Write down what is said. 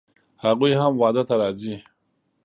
هغوی هم واده ته راځي